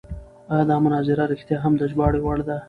ایا دا مناظره رښتیا هم د ژباړې وړ ده؟